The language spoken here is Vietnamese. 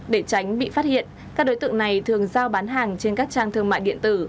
để tránh bị phát hiện các đối tượng này thường giao bán hàng trên các trang thương mại điện tử